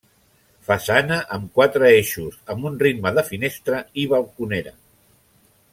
Façana amb quatre eixos amb un ritme de finestra i balconera.